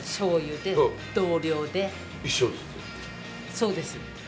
そうです。